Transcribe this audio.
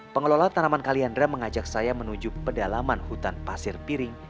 pengelola tanaman kaliandra mengajak saya menuju pedalaman hutan pasir piring